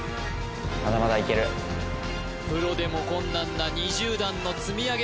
まだまだいけるプロでも困難な２０段の積み上げ